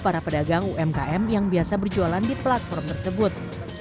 para pedagang umkm yang biasa berjualan di platform tersebut